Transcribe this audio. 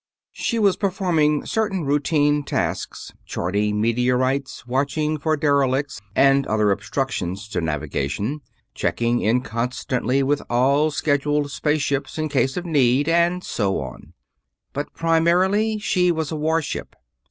She was performing certain routine tasks charting meteorites, watching for derelicts and other obstructions to navigation, checking in constantly with all scheduled space ships in case of need, and so on but primarily she was a warship.